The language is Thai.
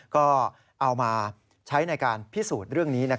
ก็เอามาใช้ในการพิสูจน์เรื่องนี้